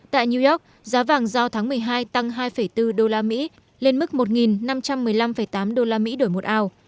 tại new york giá vàng giao tháng một mươi hai tăng hai bốn đô la mỹ lên mức một năm trăm một mươi năm tám đô la mỹ đổi một ao